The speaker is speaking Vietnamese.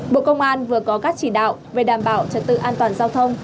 bộ công an vừa có các chỉ đạo về đảm bảo trật tự an toàn giao thông